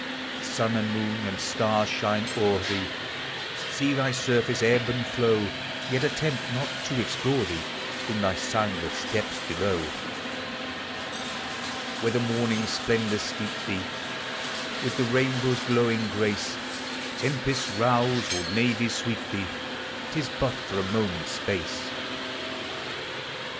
Sun and moon and stars shine o'er thee See thy surface ebb and flow, Yet attempt not t<> explore thee In thy soundless depths belon . 378 POEMS OF XATURE. Whether morning's splendors steep thee With the rainbow's glowing grace, Tempests rouse, or navies sweep thee, T is but for a moment's space.